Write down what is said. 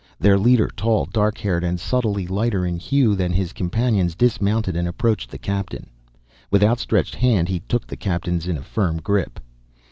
Their leader, tall, dark haired, and subtly lighter in hue than his companions, dismounted and approached the Captain. With outstretched hand he took the Captain's in a firm grip.